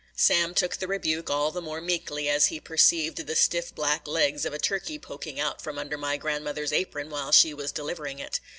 Sam took the rebuke all the more meekly as he perceived the stiff black legs of a turkey poking out from under my grandmother's apron while she was delivering it.